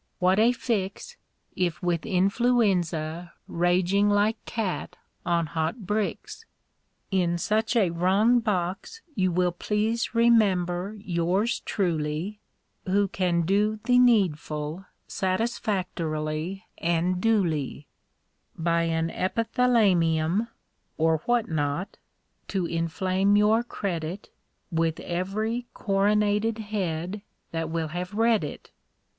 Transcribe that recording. What a fix If with Influenza raging like cat on hot bricks! In such a wrong box you will please remember yours truly, Who can do the needful satisfactorily and duly, By an epithalamium (or what not) to inflame your credit With every coronated head that will have read it!